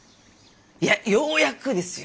いやようやくですよ。